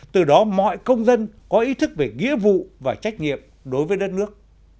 từ đó mọi công dân có ý thức về nghĩa vụ và trách nhiệm đối với đất nước